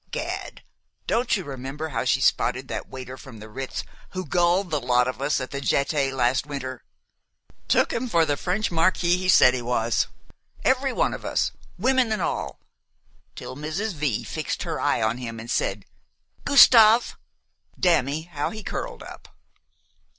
Gad! don't you remember how she spotted that waiter from the Ritz who gulled the lot of us at the Jetée last winter? Took him for the French marquis he said he was, every one of us, women and all, till Mrs. V. fixed her eye on him and said, 'Gustave!' Damme! how he curled up!"